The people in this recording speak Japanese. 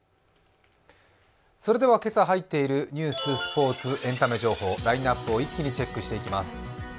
今朝入っているニュース、スポーツ、エンタメ情報、ラインナップを一気にチェックしていきます。